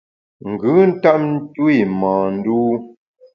Ngùn ntap ntu’w i mâ ndû.